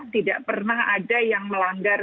tidak pernah ada yang melanggar